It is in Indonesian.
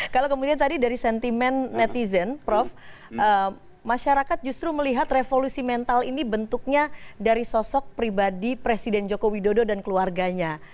kalau kemudian tadi dari sentimen netizen prof masyarakat justru melihat revolusi mental ini bentuknya dari sosok pribadi presiden joko widodo dan keluarganya